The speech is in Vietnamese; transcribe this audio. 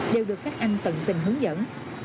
đều được các anh tận tình hướng dẫn